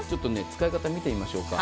使い方を見てみましょうか。